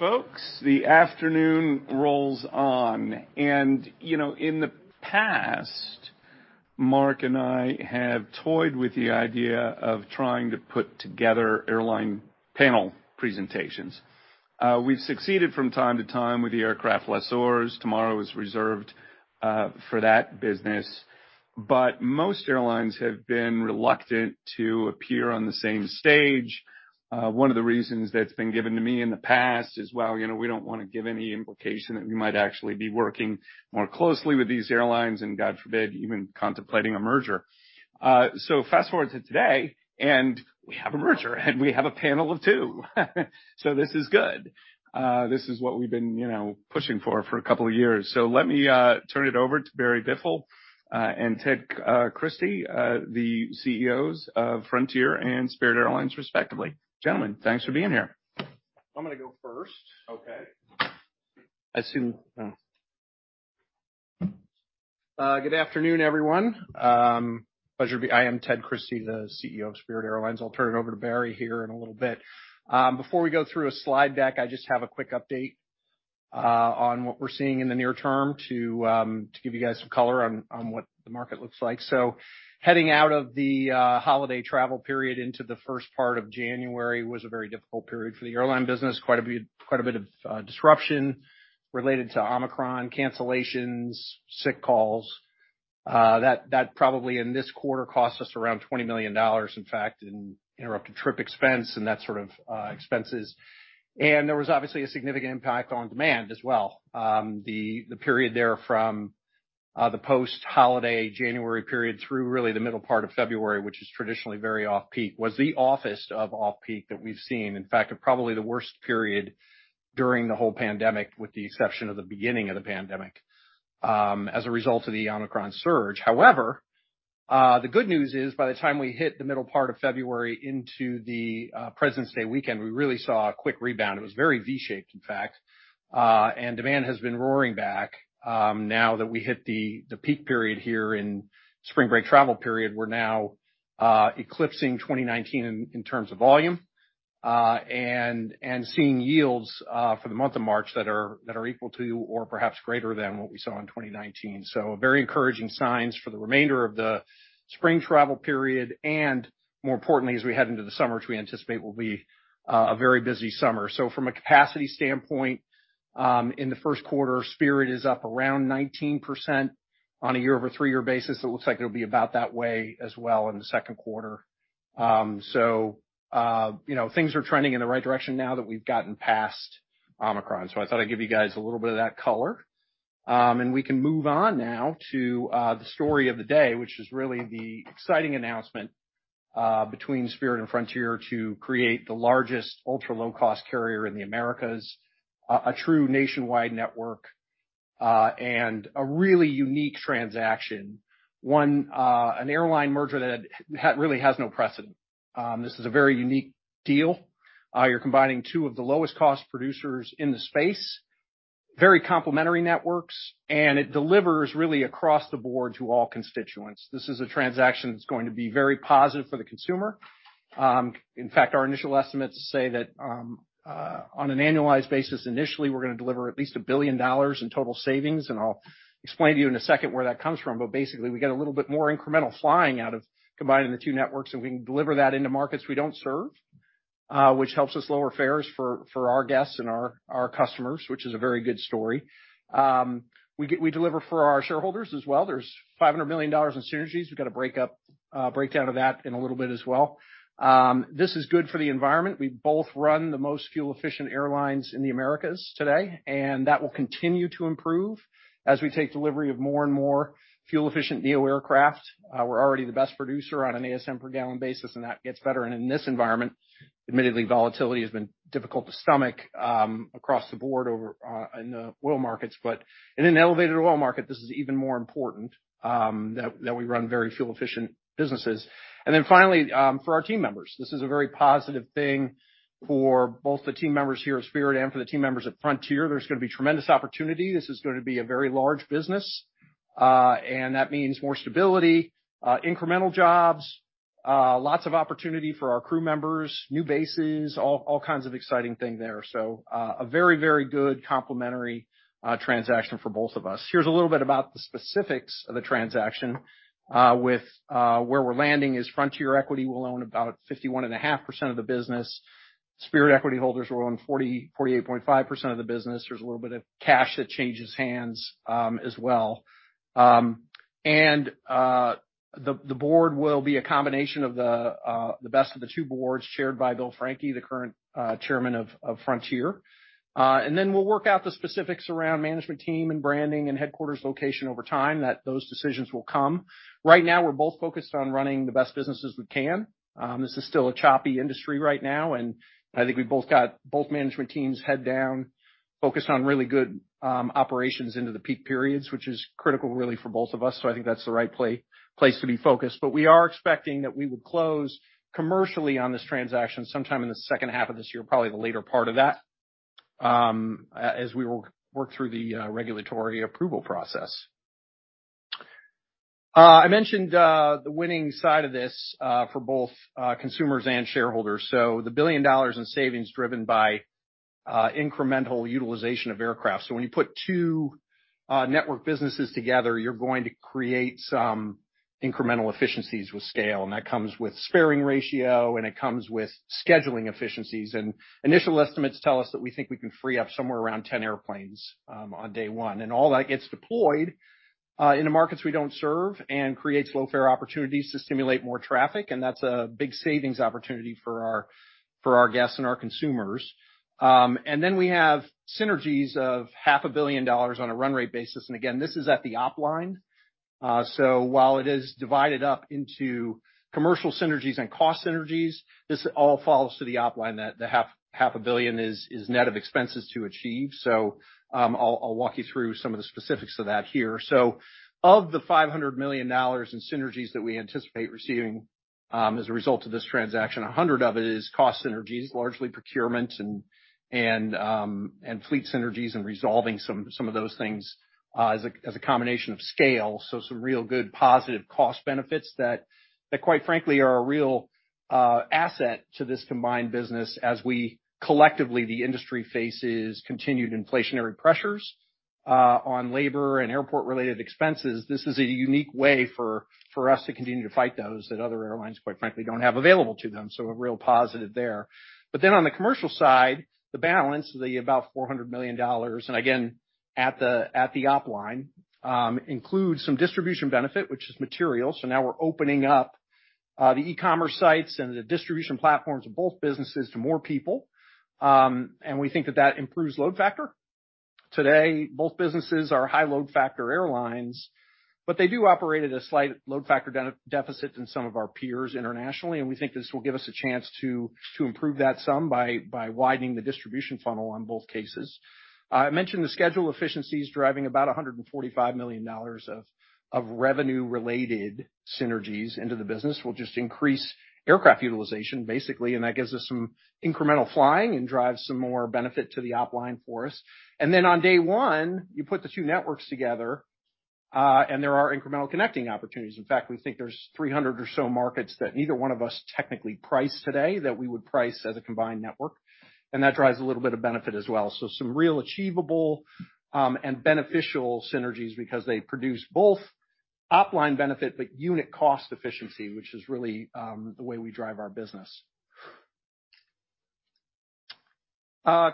All right, folks, the afternoon rolls on. You know, in the past, Mark and I have toyed with the idea of trying to put together airline panel presentations. We've succeeded from time to time with the Aircraft Lessors. Tomorrow is reserved for that business. Most airlines have been reluctant to appear on the same stage. One of the reasons that's been given to me in the past is, well, you know, we don't want to give any implication that we might actually be working more closely with these airlines and, God forbid, even contemplating a merger. Fast forward to today, and we have a merger, and we have a panel of two. This is good. This is what we've been, you know, pushing for for a couple of years. Let me turn it over to Barry Biffle and Ted Christie, the CEOs of Frontier and Spirit Airlines, respectively. Gentlemen, thanks for being here. I'm going to go first. Okay. I assume. Good afternoon, everyone. Pleasure to be—I am Ted Christie, the CEO of Spirit Airlines. I'll turn it over to Barry here in a little bit. Before we go through a slide deck, I just have a quick update on what we're seeing in the near term to give you guys some color on what the market looks like. Heading out of the holiday travel period into the first part of January was a very difficult period for the airline business. Quite a bit, quite a bit of disruption related to Omicron, cancellations, sick calls. That probably in this quarter cost us around $20 million, in fact, in interrupted trip expense and that sort of expenses. There was obviously a significant impact on demand as well. The period there from the post-holiday January period through really the middle part of February, which is traditionally very off-peak, was the offest of off-peak that we've seen. In fact, probably the worst period during the whole pandemic, with the exception of the beginning of the pandemic, as a result of the Omicron surge. However, the good news is, by the time we hit the middle part of February into the President's Day weekend, we really saw a quick rebound. It was very V-shaped, in fact. Demand has been roaring back, now that we hit the peak period here in spring break travel period. We're now eclipsing 2019 in terms of volume, and seeing yields for the month of March that are equal to or perhaps greater than what we saw in 2019. Very encouraging signs for the remainder of the spring travel period. More importantly, as we head into the summer, which we anticipate will be a very busy summer. From a capacity standpoint, in the first quarter, Spirit is up around 19% on a year-over-three-year basis. It looks like it'll be about that way as well in the second quarter. You know, things are trending in the right direction now that we've gotten past Omicron. I thought I'd give you guys a little bit of that color, and we can move on now to the story of the day, which is really the exciting announcement between Spirit and Frontier to create the largest ultra-low-cost carrier in the Americas, a true nationwide network, and a really unique transaction. One, an airline merger that really has no precedent. This is a very unique deal. You're combining two of the lowest-cost producers in the space, very complementary networks, and it delivers really across the board to all constituents. This is a transaction that's going to be very positive for the consumer. In fact, our initial estimates say that, on an annualized basis, initially, we're going to deliver at least $1 billion in total savings. I'll explain to you in a second where that comes from. Basically, we get a little bit more incremental flying out of combining the two networks, and we can deliver that into markets we don't serve, which helps us lower fares for our guests and our customers, which is a very good story. We deliver for our shareholders as well. There's $500 million in synergies. We've got a breakdown of that in a little bit as well. This is good for the environment. We both run the most fuel-efficient airlines in the Americas today, and that will continue to improve as we take delivery of more and more fuel-efficient NEO aircraft. We're already the best producer on an ASM per gallon basis, and that gets better. In this environment, admittedly, volatility has been difficult to stomach, across the board, in the oil markets. In an elevated oil market, this is even more important, that we run very fuel-efficient businesses. Finally, for our team members, this is a very positive thing for both the team members here at Spirit and for the team members at Frontier. There's going to be tremendous opportunity. This is going to be a very large business, and that means more stability, incremental jobs, lots of opportunity for our crew members, new bases, all kinds of exciting things there. A very, very good complementary transaction for both of us. Here's a little bit about the specifics of the transaction. Where we're landing is Frontier equity will own about 51.5% of the business. Spirit equity holders will own 48.5% of the business. There's a little bit of cash that changes hands, as well. The board will be a combination of the best of the two boards chaired by Bill Franke, the current chairman of Frontier. Then we'll work out the specifics around management team and branding and headquarters location over time. Those decisions will come. Right now, we're both focused on running the best businesses we can. This is still a choppy industry right now, and I think we both got both management teams head down, focused on really good operations into the peak periods, which is critical really for both of us. I think that's the right place to be focused. We are expecting that we would close commercially on this transaction sometime in the second half of this year, probably the later part of that, as we work through the regulatory approval process. I mentioned the winning side of this for both consumers and shareholders. The $1 billion in savings driven by incremental utilization of aircraft. When you put two network businesses together, you're going to create some incremental efficiencies with scale. That comes with sparing ratio, and it comes with scheduling efficiencies. Initial estimates tell us that we think we can free up somewhere around 10 airplanes, on day one. All that gets deployed in the markets we do not serve and creates low-fare opportunities to stimulate more traffic. That is a big savings opportunity for our guests and our consumers. We have synergies of $500 million on a run rate basis. This is at the op line. While it is divided up into commercial synergies and cost synergies, this all falls to the op line. The $500 million is net of expenses to achieve. I will walk you through some of the specifics of that here. Of the $500 million in synergies that we anticipate receiving as a result of this transaction, 100 of it is cost synergies, largely procurement and fleet synergies and resolving some of those things as a combination of scale. Some real good positive cost benefits that, quite frankly, are a real asset to this combined business as we collectively, the industry, faces continued inflationary pressures on labor and airport-related expenses. This is a unique way for us to continue to fight those that other airlines, quite frankly, do not have available to them. A real positive there. On the commercial side, the balance, about $400 million, and again, at the op line, includes some distribution benefit, which is material. Now we are opening up the e-commerce sites and the distribution platforms of both businesses to more people. We think that improves load factor. Today, both businesses are high load factor airlines, but they do operate at a slight load factor deficit than some of our peers internationally. We think this will give us a chance to improve that some by widening the distribution funnel in both cases. I mentioned the schedule efficiencies driving about $145 million of revenue-related synergies into the business. We will just increase aircraft utilization, basically. That gives us some incremental flying and drives some more benefit to the op line for us. On day one, you put the two networks together, and there are incremental connecting opportunities. In fact, we think there are 300 or so markets that neither one of us technically price today that we would price as a combined network. That drives a little bit of benefit as well. Some real achievable and beneficial synergies because they produce both op line benefit, but unit cost efficiency, which is really the way we drive our business.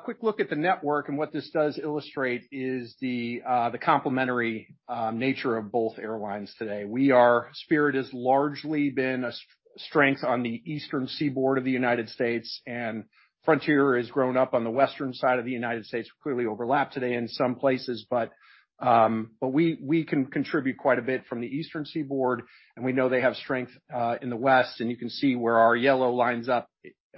Quick look at the network and what this does illustrate is the complementary nature of both airlines today. Spirit has largely been a strength on the Eastern Seaboard of the United States, and Frontier has grown up on the western side of the United States. We clearly overlap today in some places, but we can contribute quite a bit from the Eastern Seaboard. We know they have strength in the west. You can see where our yellow lines up,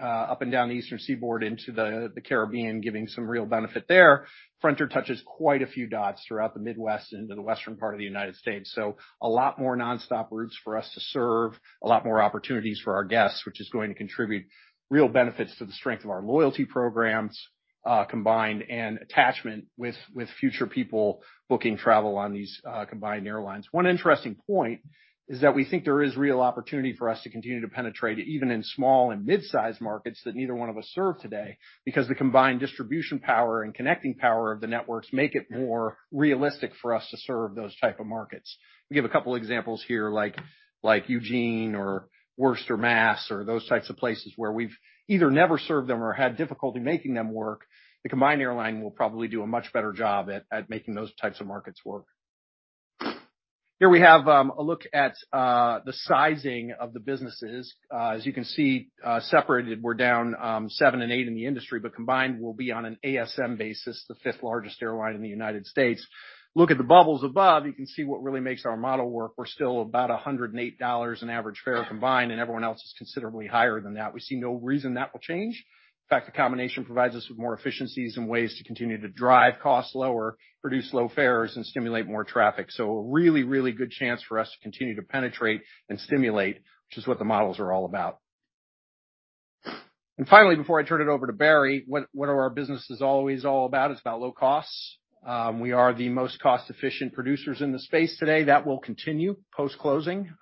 up and down the Eastern Seaboard into the Caribbean, giving some real benefit there. Frontier touches quite a few dots throughout the Midwest and into the western part of the United States. A lot more nonstop routes for us to serve, a lot more opportunities for our guests, which is going to contribute real benefits to the strength of our loyalty programs, combined and attachment with, with future people booking travel on these combined airlines. One interesting point is that we think there is real opportunity for us to continue to penetrate even in small and mid-sized markets that neither one of us serve today because the combined distribution power and connecting power of the networks make it more realistic for us to serve those type of markets. We give a couple of examples here, like, like Eugene or Worcester Mass or those types of places where we've either never served them or had difficulty making them work. The combined airline will probably do a much better job at making those types of markets work. Here we have a look at the sizing of the businesses. As you can see, separated, we're down seven and eight in the industry, but combined we'll be, on an ASM basis, the fifth largest airline in the United States. Look at the bubbles above. You can see what really makes our model work. We're still about $108 an average fare combined, and everyone else is considerably higher than that. We see no reason that will change. In fact, the combination provides us with more efficiencies and ways to continue to drive costs lower, produce low fares, and stimulate more traffic. A really, really good chance for us to continue to penetrate and stimulate, which is what the models are all about. Finally, before I turn it over to Barry, what are our businesses always all about? It's about low costs. We are the most cost-efficient producers in the space today. That will continue post-closing,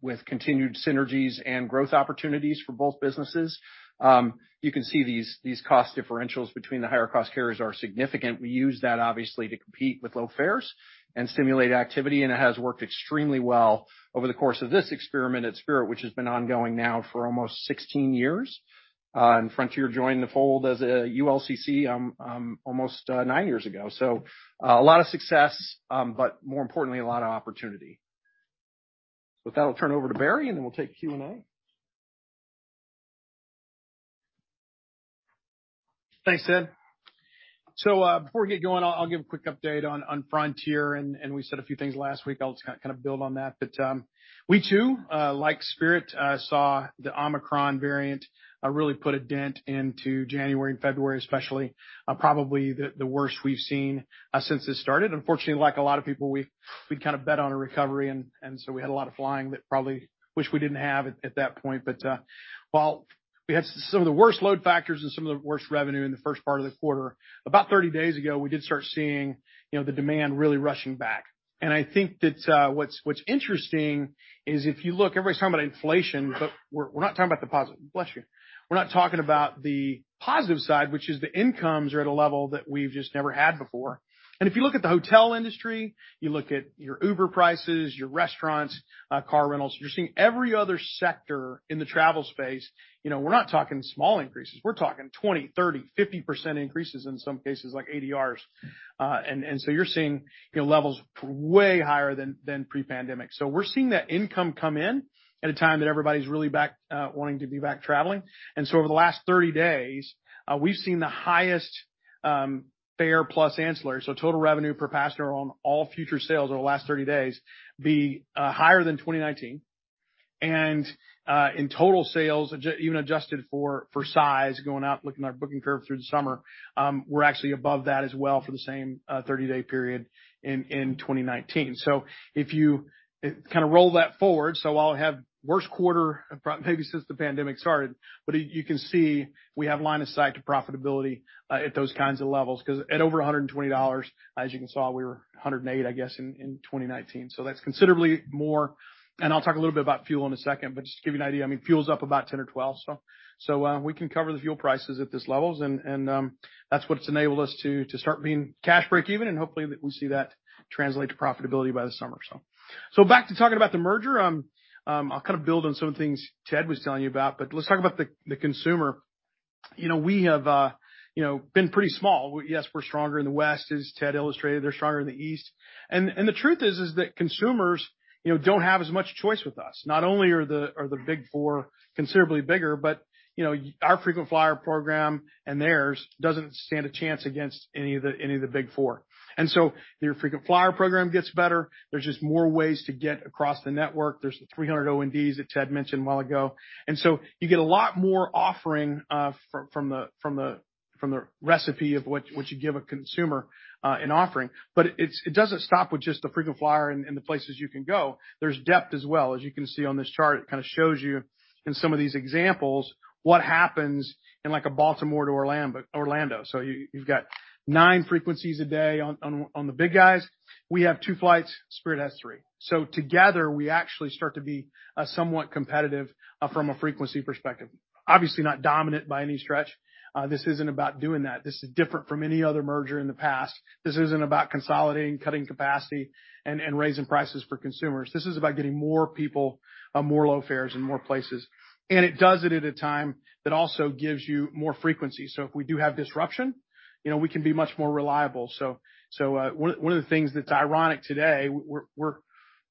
with continued synergies and growth opportunities for both businesses. You can see these cost differentials between the higher cost carriers are significant. We use that obviously to compete with low fares and stimulate activity. It has worked extremely well over the course of this experiment at Spirit, which has been ongoing now for almost 16 years. Frontier joined the fold as a ULCC almost nine years ago. A lot of success, but more importantly, a lot of opportunity. With that, I'll turn it over to Barry, and then we'll take Q and A. Thanks, Ed. Before we get going, I'll give a quick update on Frontier. We said a few things last week. I'll just kind of build on that. We too, like Spirit, saw the Omicron variant really put a dent into January and February, especially, probably the worst we've seen since it started. Unfortunately, like a lot of people, we'd kind of bet on a recovery. And so we had a lot of flying that probably wish we didn't have at that point. While we had some of the worst load factors and some of the worst revenue in the first part of the quarter, about 30 days ago, we did start seeing, you know, the demand really rushing back. I think that what's interesting is if you look, everybody's talking about inflation, but we're not talking about the positive. Bless you. We're not talking about the positive side, which is the incomes are at a level that we've just never had before. If you look at the hotel industry, you look at your Uber prices, your restaurants, car rentals, you're seeing every other sector in the travel space. You know, we're not talking small increases. We're talking 20%, 30%, 50% increases in some cases, like ADRs. And, and so you're seeing, you know, levels way higher than, than pre-pandemic. We're seeing that income come in at a time that everybody's really back, wanting to be back traveling. Over the last 30 days, we've seen the highest fare plus ancillary, so total revenue per passenger on all future sales over the last 30 days be higher than 2019. In total sales, even adjusted for size going out, looking at our booking curve through the summer, we're actually above that as well for the same 30-day period in 2019. If you kind of roll that forward, I'll have worst quarter probably since the pandemic started, but you can see we have line of sight to profitability at those kinds of levels. 'Cause at over $120, as you saw, we were $108, I guess, in 2019. That's considerably more. I'll talk a little bit about fuel in a second, but just to give you an idea, I mean, fuel's up about 10% or 12%. We can cover the fuel prices at these levels. That's what's enabled us to start being cash break even. Hopefully we see that translate to profitability by the summer. Back to talking about the merger, I'll kind of build on some of the things Ted was telling you about, but let's talk about the consumer. You know, we have, you know, been pretty small. Yes, we're stronger in the west, as Ted illustrated. They're stronger in the east. The truth is, is that consumers, you know, don't have as much choice with us. Not only are the big four considerably bigger, but, you know, our frequent flyer program and theirs doesn't stand a chance against any of the big four. Your frequent flyer program gets better. There's just more ways to get across the network. There's the 300 O&Ds that Ted mentioned a while ago. You get a lot more offering from the recipe of what you give a consumer in offering. It doesn't stop with just the frequent flyer and the places you can go. There's depth as well. As you can see on this chart, it kind of shows you in some of these examples what happens in like a Baltimore to Orlando. You have nine frequencies a day on the big guys. We have two flights. Spirit has three. Together, we actually start to be somewhat competitive from a frequency perspective. Obviously not dominant by any stretch. This is not about doing that. This is different from any other merger in the past. This is not about consolidating, cutting capacity and raising prices for consumers. This is about getting more people, more low fares in more places. It does it at a time that also gives you more frequency. If we do have disruption, you know, we can be much more reliable. One of the things that's ironic today, we're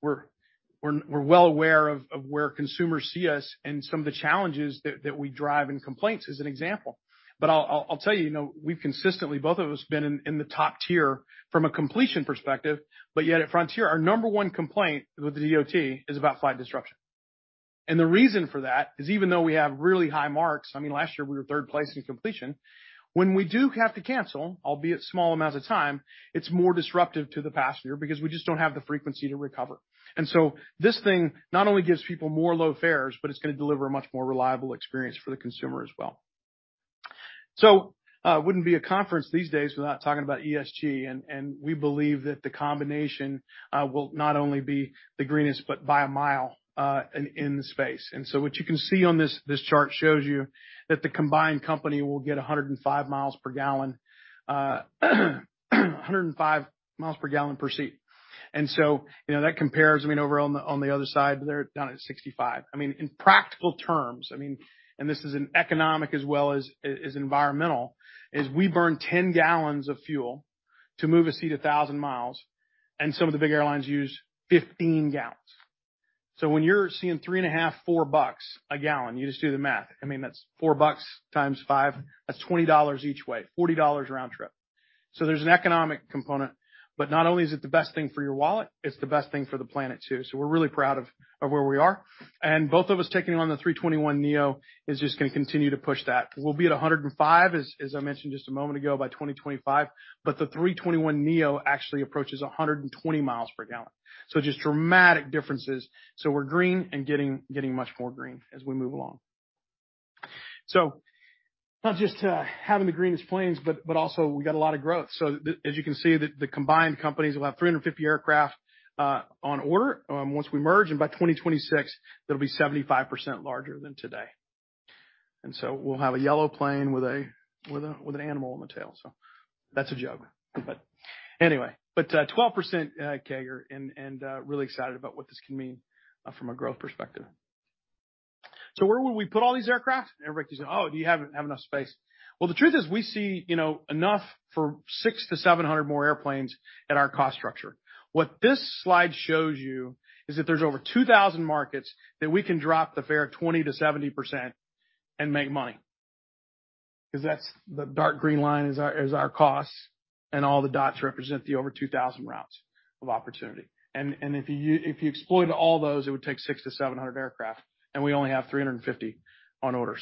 well aware of where consumers see us and some of the challenges that we drive and complaints as an example. I'll tell you, you know, we've consistently, both of us, been in the top tier from a completion perspective, yet at Frontier, our number one complaint with the DOT is about flight disruption. The reason for that is even though we have really high marks, I mean, last year we were third place in completion. When we do have to cancel, albeit small amounts of time, it's more disruptive to the passenger because we just don't have the frequency to recover. This thing not only gives people more low fares, but it's gonna deliver a much more reliable experience for the consumer as well. Wouldn't be a conference these days without talking about ESG. We believe that the combination will not only be the greenest, but by a mile, in the space. What you can see on this, this chart shows you that the combined company will get 105 miles per gallon, 105 miles per gallon per seat. You know, that compares, I mean, over on the other side, they're down at 65. I mean, in practical terms, I mean, and this is an economic as well as environmental, is we burn 10 gallons of fuel to move a seat 1,000 miles. Some of the big airlines use 15 gallons. When you're seeing three and a half, four bucks a gallon, you just do the math. That's $4 times 5, that's $20 each way, $40 round trip. There's an economic component, but not only is it the best thing for your wallet, it's the best thing for the planet too. We're really proud of where we are. Both of us taking on the 321 NEO is just gonna continue to push that. We'll be at 105, as I mentioned just a moment ago, by 2025, but the 321 NEO actually approaches 120 miles per gallon. Just dramatic differences. We're green and getting much more green as we move along. Not just having the greenest planes, but also we got a lot of growth. As you can see, the combined companies will have 350 aircraft on order once we merge. By 2026, that'll be 75% larger than today. We'll have a yellow plane with an animal on the tail. That's a joke. Anyway, 12% Kager, and really excited about what this can mean from a growth perspective. Where would we put all these aircraft? Everybody can say, oh, do you have enough space? The truth is we see enough for 600-700 more airplanes at our cost structure. What this slide shows you is that there's over 2,000 markets that we can drop the fare 20%-70% and make money. 'Cause the dark green line is our costs. All the dots represent the over 2,000 routes of opportunity. If you exploited all those, it would take 600-700 aircraft and we only have 350 on order.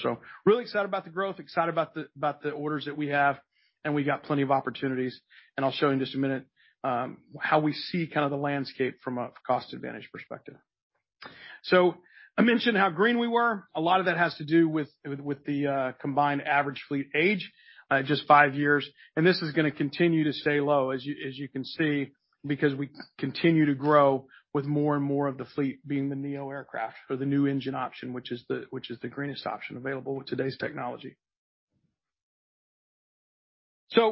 Really excited about the growth, excited about the orders that we have. We got plenty of opportunities. I'll show you in just a minute, how we see kind of the landscape from a cost advantage perspective. I mentioned how green we were. A lot of that has to do with the combined average fleet age, just five years. This is gonna continue to stay low as you can see because we continue to grow with more and more of the fleet being the Neo aircraft or the new engine option, which is the greenest option available with today's technology.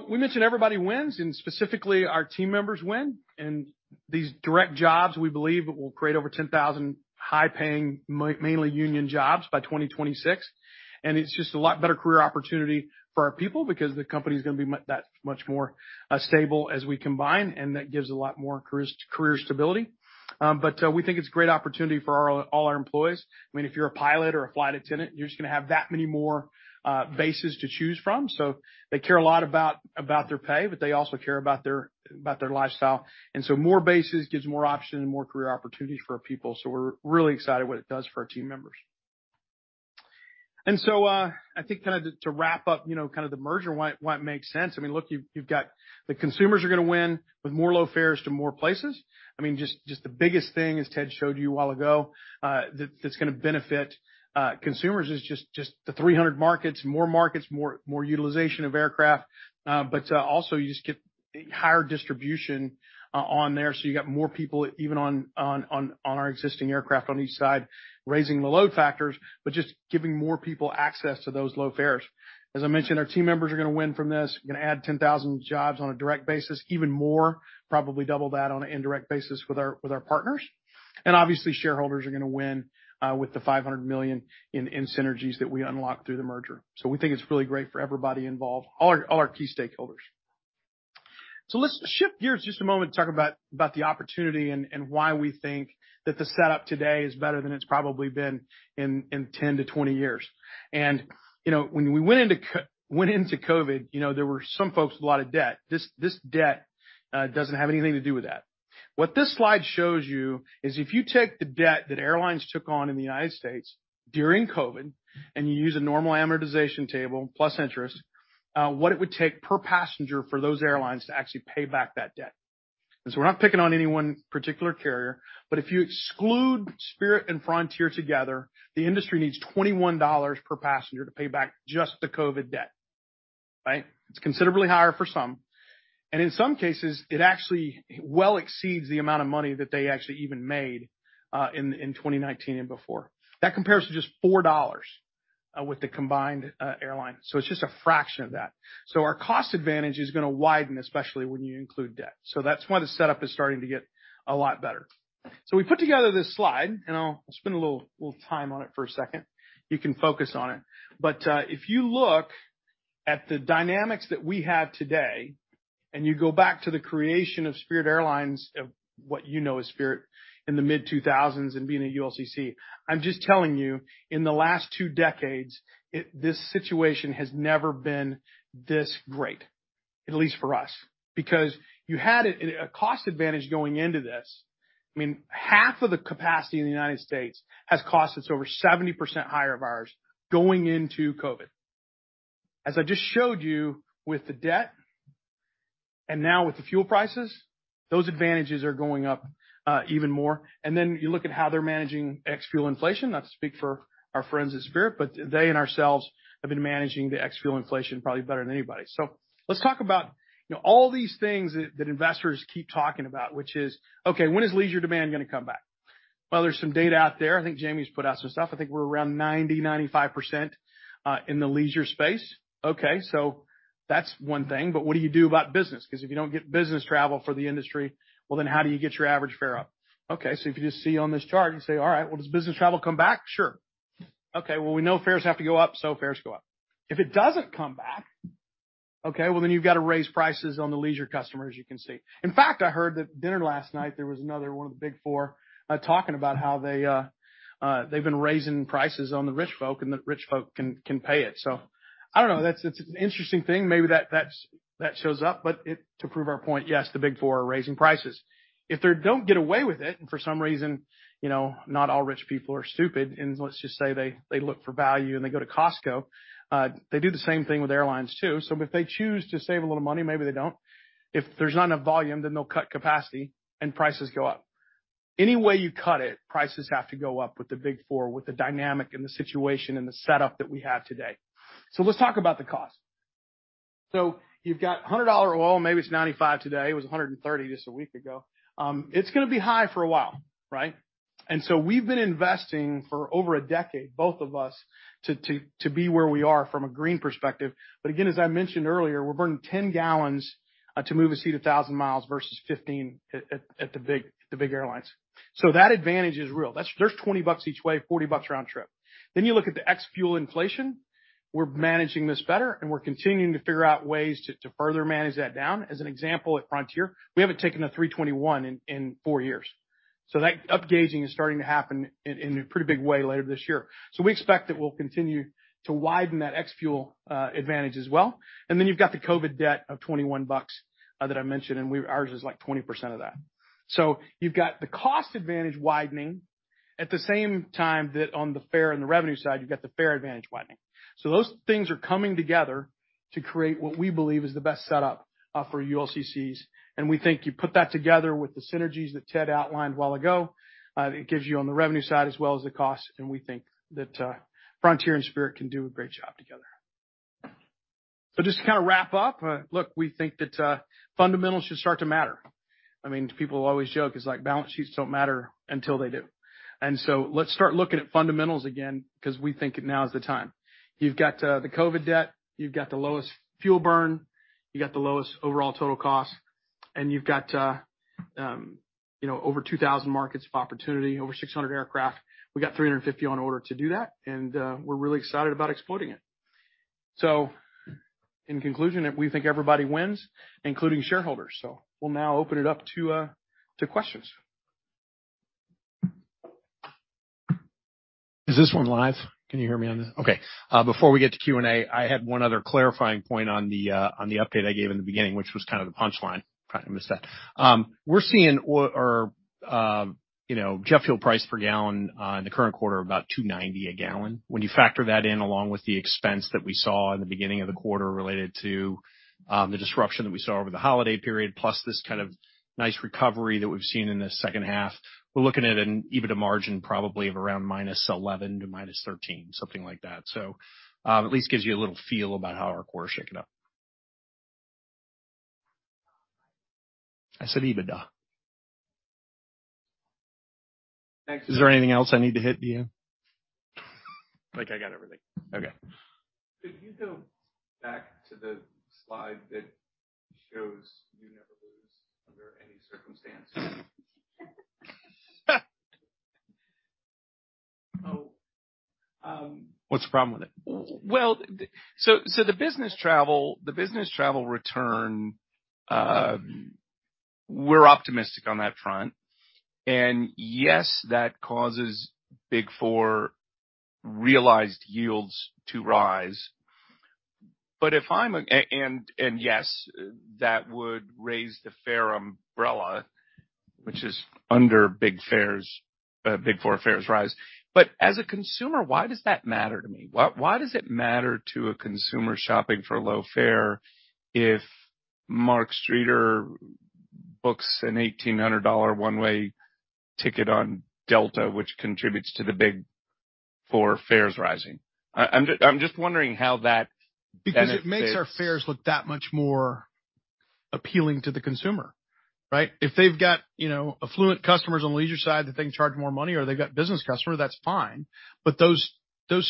We mentioned everybody wins and specifically our team members win. These direct jobs, we believe it will create over 10,000 high paying, mainly union jobs by 2026. It's just a lot better career opportunity for our people because the company's gonna be that much more stable as we combine. That gives a lot more career stability. We think it's a great opportunity for all our employees. I mean, if you're a pilot or a flight attendant, you're just gonna have that many more bases to choose from. They care a lot about their pay, but they also care about their lifestyle. More bases gives more options and more career opportunities for our people. We're really excited what it does for our team members. I think kind of to wrap up, you know, kind of the merger, why it makes sense. I mean, look, you've got the consumers are gonna win with more low fares to more places. I mean, just the biggest thing as Ted showed you a while ago, that's gonna benefit consumers is just the 300 markets, more markets, more utilization of aircraft. You just get higher distribution on there. You got more people even on our existing aircraft on each side raising the load factors, just giving more people access to those low fares. As I mentioned, our team members are gonna win from this. You're gonna add 10,000 jobs on a direct basis, even more, probably double that on an indirect basis with our partners. Obviously shareholders are gonna win, with the $500 million in synergies that we unlock through the merger. We think it's really great for everybody involved, all our key stakeholders. Let's shift gears just a moment to talk about the opportunity and why we think that the setup today is better than it's probably been in 10 to 20 years. You know, when we went into COVID, there were some folks with a lot of debt. This debt doesn't have anything to do with that. What this slide shows you is if you take the debt that airlines took on in the United States during COVID and you use a normal amortization table plus interest, what it would take per passenger for those airlines to actually pay back that debt. We're not picking on any one particular carrier, but if you exclude Spirit and Frontier together, the industry needs $21 per passenger to pay back just the COVID debt, right? It's considerably higher for some. In some cases, it actually well exceeds the amount of money that they actually even made in 2019 and before. That compares to just $4 with the combined airline. It is just a fraction of that. Our cost advantage is going to widen, especially when you include debt. That is why the setup is starting to get a lot better. We put together this slide and I will spend a little time on it for a second. You can focus on it. If you look at the dynamics that we have today and you go back to the creation of Spirit Airlines, of what you know as Spirit in the mid-2000s and being a ULCC, I am just telling you in the last two decades, this situation has never been this great, at least for us, because you had a cost advantage going into this. I mean, half of the capacity in the U.S. has costs that's over 70% higher of ours going into COVID. As I just showed you with the debt and now with the fuel prices, those advantages are going up even more. You look at how they're managing ex-fuel inflation, not to speak for our friends at Spirit, but they and ourselves have been managing the ex-fuel inflation probably better than anybody. Let's talk about, you know, all these things that investors keep talking about, which is, okay, when is leisure demand gonna come back? There is some data out there. I think Jamie's put out some stuff. I think we're around 90-95% in the leisure space. Okay. That's one thing. What do you do about business? 'Cause if you don't get business travel for the industry, well then how do you get your average fare up? Okay. If you just see on this chart, you say, all right, does business travel come back? Sure. Okay. We know fares have to go up. Fares go up. If it doesn't come back, then you've gotta raise prices on the leisure customers you can see. In fact, I heard at dinner last night, there was another one of the big four talking about how they've been raising prices on the rich folk and the rich folk can pay it. I don't know. That's an interesting thing. Maybe that shows up, but to prove our point, yes, the big four are raising prices. If they don't get away with it and for some reason, you know, not all rich people are stupid. Let's just say they look for value and they go to Costco, they do the same thing with airlines too. If they choose to save a little money, maybe they don't. If there's not enough volume, then they'll cut capacity and prices go up. Any way you cut it, prices have to go up with the big four, with the dynamic and the situation and the setup that we have today. Let's talk about the cost. You've got $100 oil, maybe it's $95 today. It was $130 just a week ago. It's going to be high for a while, right? We've been investing for over a decade, both of us, to be where we are from a green perspective. As I mentioned earlier, we're burning 10 gallons to move a seat 1,000 mi versus 15 at the big airlines. That advantage is real. That's $20 each way, $40 round trip. You look at the ex-fuel inflation, we're managing this better and we're continuing to figure out ways to further manage that down. As an example at Frontier, we haven't taken a 321 in four years. That upgaging is starting to happen in a pretty big way later this year. We expect that we'll continue to widen that ex-fuel advantage as well. You've got the COVID debt of $21 that I mentioned, and ours is like 20% of that. You've got the cost advantage widening at the same time that on the fare and the revenue side, you've got the fare advantage widening. Those things are coming together to create what we believe is the best setup for ULCCs. We think you put that together with the synergies that Ted outlined a while ago, it gives you on the revenue side as well as the cost. We think that Frontier and Spirit can do a great job together. Just to kind of wrap up, look, we think that fundamentals should start to matter. I mean, people always joke it's like balance sheets don't matter until they do. Let's start looking at fundamentals again, 'cause we think now is the time. You've got the COVID debt, you've got the lowest fuel burn, you got the lowest overall total cost, and you've got, you know, over 2,000 markets of opportunity, over 600 aircraft. We got 350 on order to do that. We're really excited about exploiting it. In conclusion, we think everybody wins, including shareholders. We'll now open it up to questions. Is this one live? Can you hear me on this? Okay. Before we get to Q and A, I had one other clarifying point on the update I gave in the beginning, which was kind of the punchline. Probably missed that. We're seeing our, you know, jet fuel price per gallon, in the current quarter about $2.90 a gallon. When you factor that in along with the expense that we saw in the beginning of the quarter related to the disruption that we saw over the holiday period, plus this kind of nice recovery that we've seen in the second half, we're looking at an EBITDA margin probably of around -11% to -13%, something like that. At least gives you a little feel about how our quarter's shaken up. I said EBITDA. Thanks. Is there anything else I need to hit? Do you? Like I got everything. Okay. Could you go back to the slide that shows you never lose under any circumstances? Oh, what's the problem with it? The business travel, the business travel return, we're optimistic on that front. Yes, that causes big four realized yields to rise. If I'm a, and yes, that would raise the fare umbrella, which is under big fares, big four fares rise. As a consumer, why does that matter to me? Why does it matter to a consumer shopping for low fare if Mark Streeter books an $1,800 one-way ticket on Delta, which contributes to the big four fares rising? I'm just wondering how that, because it makes our fares look that much more appealing to the consumer, right? If they've got, you know, affluent customers on the leisure side that they can charge more money, or they've got business customers, that's fine. Those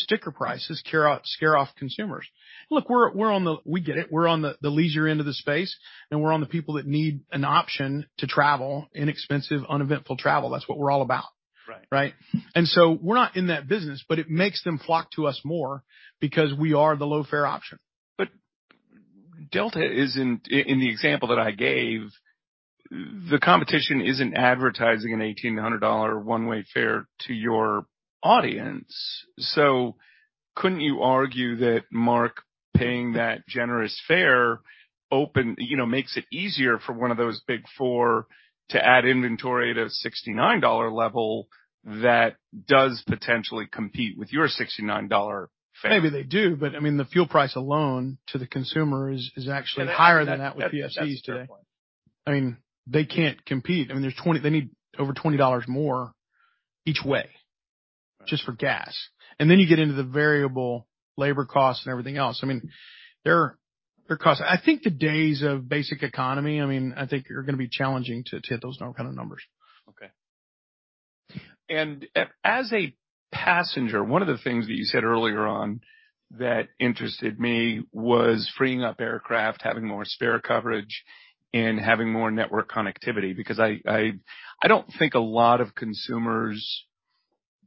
sticker prices scare off consumers. Look, we get it. We're on the leisure end of the space and we're on the people that need an option to travel, inexpensive, uneventful travel. That's what we're all about. Right. Right. We're not in that business, but it makes them flock to us more because we are the low fare option. Delta is, in the example that I gave, the competition isn't advertising a $1,800 one-way fare to your audience. Couldn't you argue that Mark paying that generous fare, you know, makes it easier for one of those big four to add inventory to $69 level that does potentially compete with your $69 fare? Maybe they do. I mean, the fuel price alone to the consumer is actually higher than that with PFCs today. I mean, they can't compete. There's $20, they need over $20 more each way just for gas. Then you get into the variable labor costs and everything else. I mean, their costs. I think the days of basic economy, I mean, I think you're gonna be challenging to, to hit those kind of numbers. Okay. As a passenger, one of the things that you said earlier on that interested me was freeing up aircraft, having more spare coverage, and having more network connectivity because I don't think a lot of consumers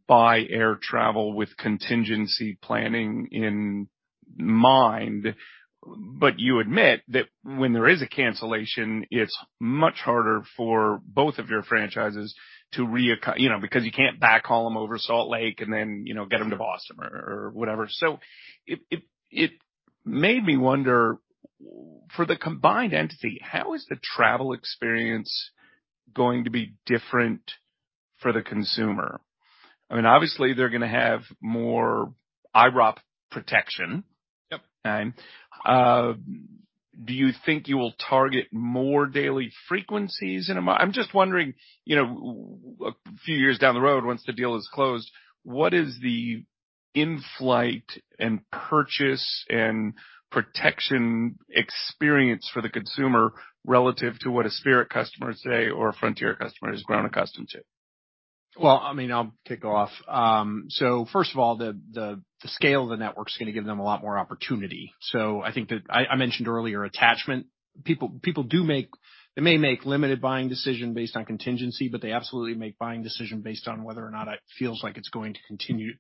buy air travel with contingency planning in mind. You admit that when there is a cancellation, it's much harder for both of your franchises to reac, you know, because you can't back haul 'em over Salt Lake and then, you know, get 'em to Boston or whatever. It made me wonder for the combined entity, how is the travel experience going to be different for the consumer? I mean, obviously they're gonna have more eyedrop protection. Yep. Time. Do you think you will target more daily frequencies in a mile? I'm just wondering, you know, a few years down the road, once the deal is closed, what is the in-flight and purchase and protection experience for the consumer relative to what a Spirit customer, say, or a Frontier customer is grown accustomed to? I mean, I'll kick off. First of all, the scale of the network's gonna give them a lot more opportunity. I think that I mentioned earlier attachment. People do make, they may make limited buying decision based on contingency, but they absolutely make buying decision based on whether or not it feels like it's going to continue to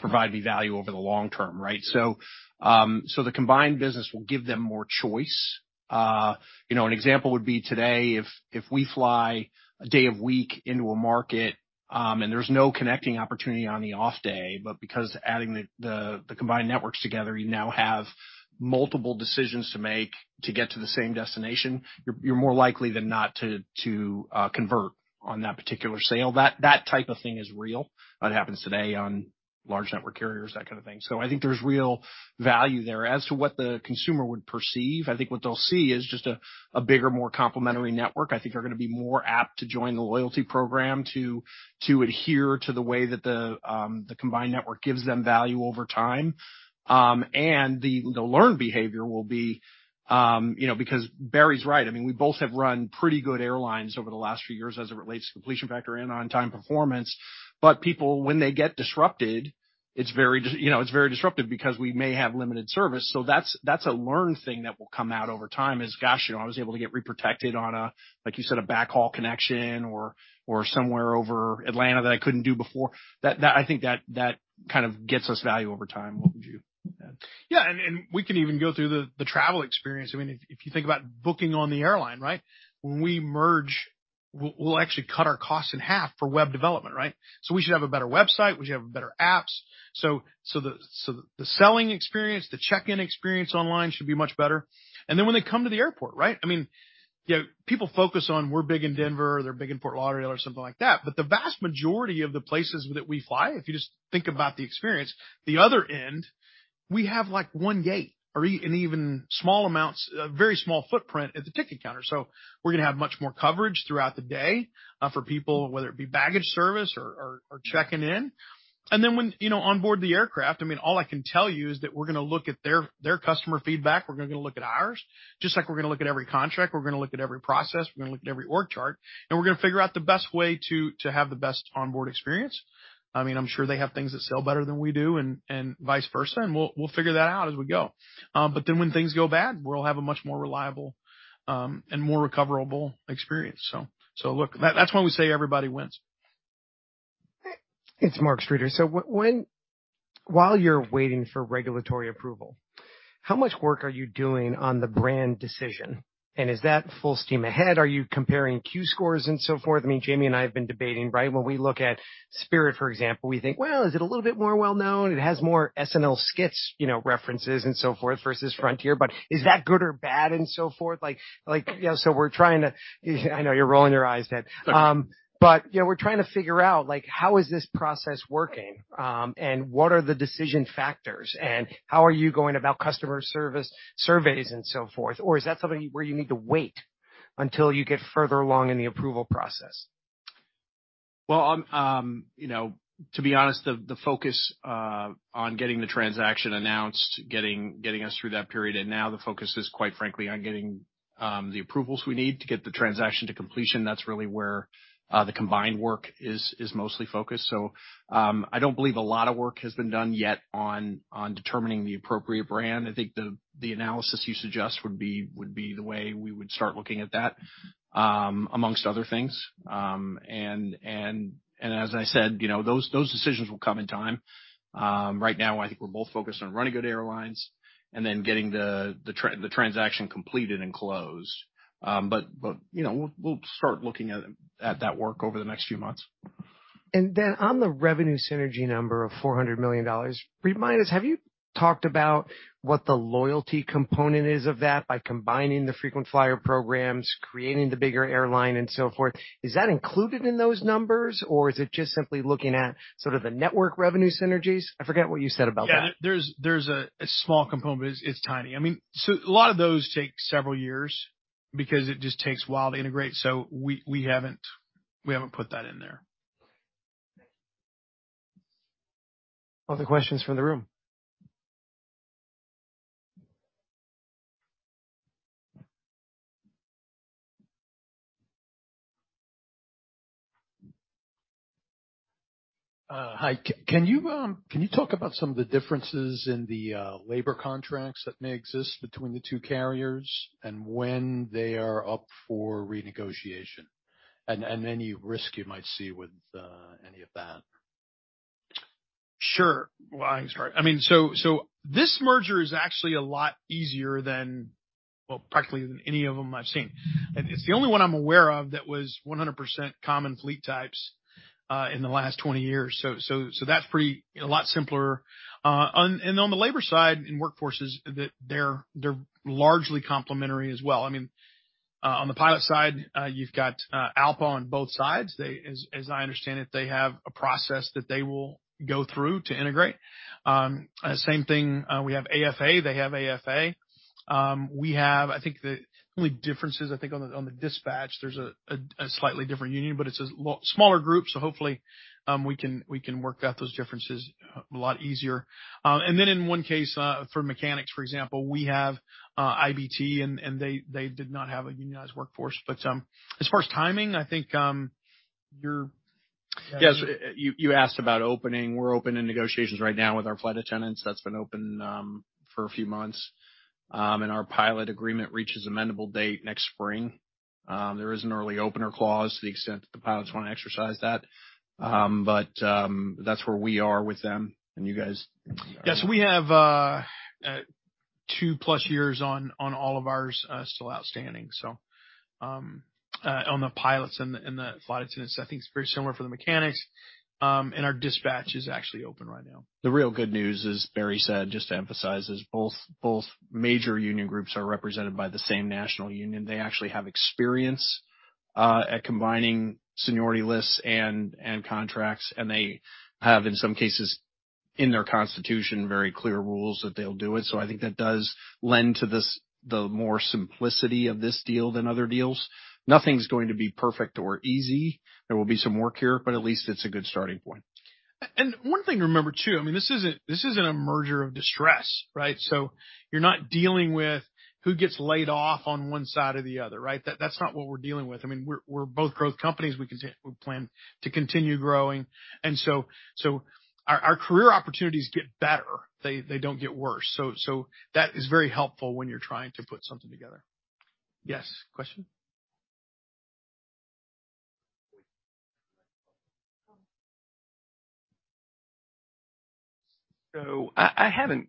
provide me value over the long term, right? The combined business will give them more choice. You know, an example would be today, if we fly a day of week into a market, and there's no connecting opportunity on the off day, but because adding the combined networks together, you now have multiple decisions to make to get to the same destination, you're more likely than not to convert on that particular sale. That type of thing is real. It happens today on large network carriers, that kind of thing. I think there's real value there as to what the consumer would perceive. I think what they'll see is just a bigger, more complimentary network. I think they're gonna be more apt to join the loyalty program, to adhere to the way that the combined network gives them value over time. And the learned behavior will be, you know, because Barry's right. I mean, we both have run pretty good airlines over the last few years as it relates to completion factor and on-time performance. People, when they get disrupted, it's very, you know, it's very disruptive because we may have limited service. That's a learned thing that will come out over time is, gosh, you know, I was able to get reprotected on a, like you said, a backhaul connection or somewhere over Atlanta that I couldn't do before. That, I think that kind of gets us value over time. What would you add? Yeah. We can even go through the travel experience. I mean, if you think about booking on the airline, right? When we merge, we'll actually cut our costs in half for web development, right? We should have a better website. We should have better apps. The selling experience, the check-in experience online should be much better. And then when they come to the airport, right? I mean, you know, people focus on we're big in Denver, they're big in Fort Lauderdale or something like that. The vast majority of the places that we fly, if you just think about the experience, the other end, we have like one gate or even small amounts, a very small footprint at the ticket counter. We're gonna have much more coverage throughout the day, for people, whether it be baggage service or checking in. And then when, you know, onboard the aircraft, I mean, all I can tell you is that we're gonna look at their customer feedback. We're gonna look at ours, just like we're gonna look at every contract. We're gonna look at every process. We're gonna look at every org chart, and we're gonna figure out the best way to, to have the best onboard experience. I mean, I'm sure they have things that sell better than we do and, and vice versa. We'll, we'll figure that out as we go. When things go bad, we'll have a much more reliable, and more recoverable experience. Look, that's why we say everybody wins. It's Mark Streeter. While you're waiting for regulatory approval, how much work are you doing on the brand decision? Is that full steam ahead? Are you comparing Q-scores and so forth? I mean, Jamie and I have been debating, right? When we look at Spirit, for example, we think, well, is it a little bit more well-known? It has more SNL skits, you know, references and so forth versus Frontier. Is that good or bad and so forth? Like, like, you know, we're trying to, I know you're rolling your eyes, Ted, but you know, we're trying to figure out how is this process working? What are the decision factors and how are you going about customer service surveys and so forth? Is that something where you need to wait until you get further along in the approval process? You know, to be honest, the focus on getting the transaction announced, getting us through that period. Now the focus is quite frankly on getting the approvals we need to get the transaction to completion. That's really where the combined work is mostly focused. I don't believe a lot of work has been done yet on determining the appropriate brand. I think the analysis you suggest would be the way we would start looking at that, amongst other things. As I said, you know, those decisions will come in time. Right now I think we're both focused on running good airlines and then getting the transaction completed and closed. You know, we'll start looking at that work over the next few months. And then on the revenue synergy number of $400 million, remind us, have you talked about what the loyalty component is of that by combining the frequent flyer programs, creating the bigger airline and so forth? Is that included in those numbers or is it just simply looking at sort of the network revenue synergies? I forget what you said about that. Yeah, there's a small component, but it's tiny. I mean, so a lot of those take several years because it just takes a while to integrate. We haven't, we haven't put that in there. Other questions from the room? Hi, can you talk about some of the differences in the labor contracts that may exist between the two carriers and when they are up for renegotiation and any risk you might see with any of that? Sure. I'm sorry. I mean, this merger is actually a lot easier than, practically, than any of them I've seen. It's the only one I'm aware of that was 100% common fleet types in the last 20 years. That's pretty a lot simpler. On the labor side in workforces, they're largely complimentary as well. I mean, on the pilot side, you've got ALPA on both sides. They, as I understand it, they have a process that they will go through to integrate. Same thing, we have AFA, they have AFA. We have, I think the only difference is I think on the dispatch, there's a slightly different union, but it's a little smaller group. Hopefully, we can work out those differences a lot easier. In one case, for mechanics, for example, we have IBT and they did not have a unionized workforce. As far as timing, I think, yes, you asked about opening. We're open in negotiations right now with our flight attendants. That's been open for a few months. Our pilot agreement reaches amendable date next spring. There is an early opener clause to the extent that the pilots wanna exercise that. That's where we are with them. You guys, yeah, we have two plus years on all of ours still outstanding. On the pilots and the flight attendants, I think it's very similar for the mechanics. Our dispatch is actually open right now. The real good news, as Barry said, just to emphasize, is both major union groups are represented by the same national union. They actually have experience at combining seniority lists and contracts. They have, in some cases in their constitution, very clear rules that they'll do it. I think that does lend to this, the more simplicity of this deal than other deals. Nothing's going to be perfect or easy. There will be some work here, but at least it's a good starting point. One thing to remember too, I mean, this isn't a merger of distress, right? You're not dealing with who gets laid off on one side or the other, right? That's not what we're dealing with. I mean, we're both growth companies. We plan to continue growing. Our career opportunities get better, they don't get worse. That is very helpful when you're trying to put something together. Yes. Question. I haven't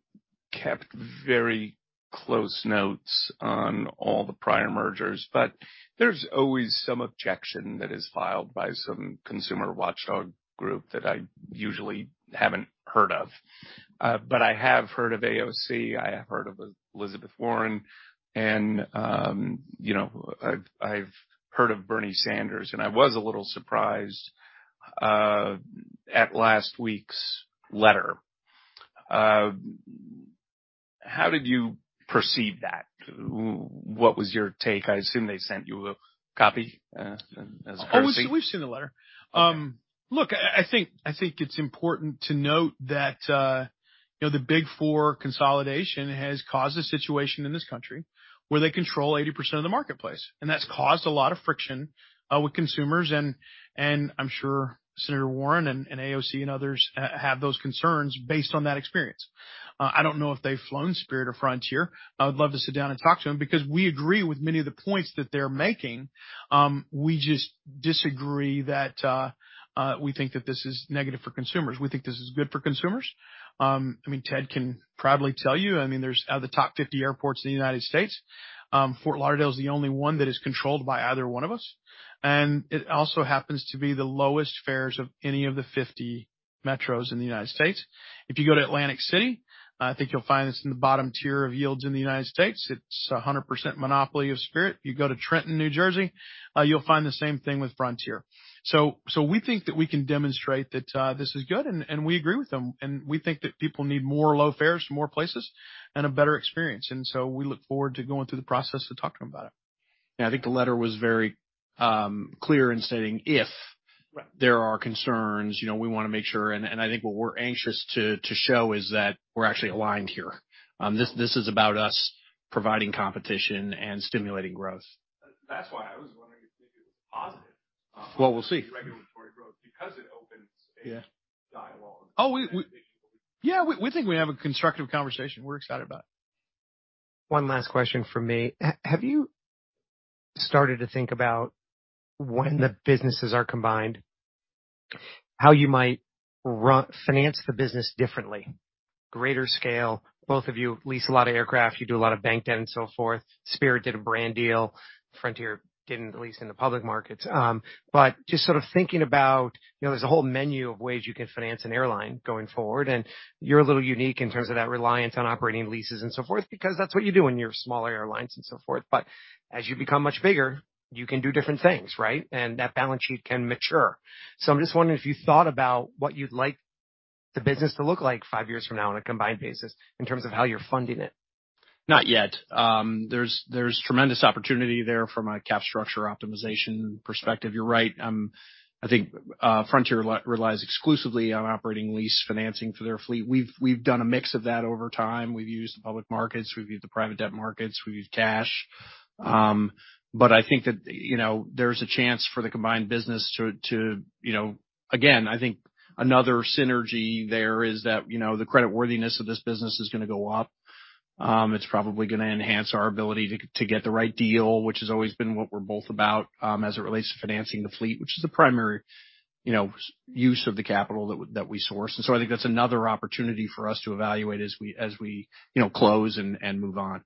kept very close notes on all the prior mergers, but there's always some objection that is filed by some consumer watchdog group that I usually haven't heard of. I have heard of AOC. I have heard of Elizabeth Warren and, you know, I've heard of Bernie Sanders and I was a little surprised at last week's letter. How did you perceive that? What was your take? I assume they sent you a copy, as opposed to, oh, we've seen the letter. Look, I think it's important to note that, you know, the big four consolidation has caused a situation in this country where they control 80% of the marketplace, and that's caused a lot of friction with consumers. I'm sure Senator Warren and AOC and others have those concerns based on that experience. I don't know if they've flown Spirit or Frontier. I would love to sit down and talk to 'em because we agree with many of the points that they're making. We just disagree that we think that this is negative for consumers. We think this is good for consumers. I mean, Ted can proudly tell you, I mean, out of the top 50 airports in the U.S., Fort Lauderdale's the only one that is controlled by either one of us. It also happens to be the lowest fares of any of the 50 metros in the U.S. If you go to Atlantic City, I think you'll find it's in the bottom tier of yields in the U.S. It's a 100% monopoly of Spirit. You go to Trenton, New Jersey, you'll find the same thing with Frontier. We think that we can demonstrate that this is good and we agree with them. We think that people need more low fares to more places and a better experience. We look forward to going through the process to talk to them about it. Yeah. I think the letter was very clear in stating if there are concerns, you know, we wanna make sure. And I think what we're anxious to show is that we're actually aligned here. This is about us providing competition and stimulating growth. That's why I was wondering if maybe it was positive. We'll see regulatory growth because it opens a dialogue. Oh, we think we have a constructive conversation. We're excited about it. One last question for me. Have you started to think about when the businesses are combined, how you might run finance the business differently, greater scale? Both of you lease a lot of aircraft, you do a lot of bank debt and so forth. Spirit did a brand deal. Frontier didn't lease in the public markets. Just sort of thinking about, you know, there's a whole menu of ways you can finance an airline going forward. You're a little unique in terms of that reliance on operating leases and so forth because that's what you do when you're smaller airlines and so forth. As you become much bigger, you can do different things, right? That balance sheet can mature. I'm just wondering if you thought about what you'd like the business to look like five years from now on a combined basis in terms of how you're funding it. Not yet. There's tremendous opportunity there from a cap structure optimization perspective. You're right. I think Frontier relies exclusively on operating lease financing for their fleet. We've done a mix of that over time. We've used the public markets, we've used the private debt markets, we've used cash. I think that, you know, there's a chance for the combined business to, you know, again, I think another synergy there is that, you know, the credit worthiness of this business is gonna go up. It's probably gonna enhance our ability to get the right deal, which has always been what we're both about, as it relates to financing the fleet, which is the primary, you know, use of the capital that we source. I think that's another opportunity for us to evaluate as we, you know, close and move on.